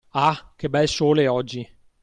Ah, che bel Sole oggi.